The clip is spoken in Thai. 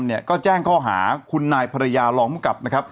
เนี้ยก็แจ้งข้อหาคุณนายภรรยามอกบนะครับอืม